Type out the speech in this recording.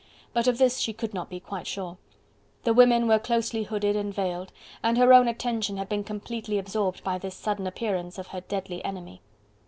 But of this she could not be quite sure. The women were closely hooded and veiled and her own attention had been completely absorbed by this sudden appearance of her deadly enemy.